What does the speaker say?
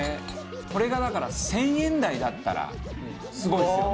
これがだから１０００円台だったらすごいですよね。